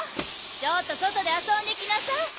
ちょっとそとであそんできなさい。